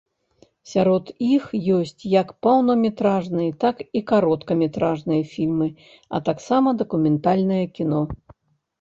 Сярод іх ёсць як поўнаметражныя, так і кароткаметражныя фільмы, а таксама дакументальнае кіно.